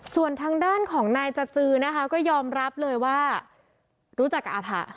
ส่วนทางด้านของนายจจือนะคะก็ยอมรับเลยว่ารู้จักกับอภะ